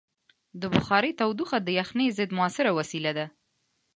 د بخارۍ تودوخه د یخنۍ ضد مؤثره وسیله ده.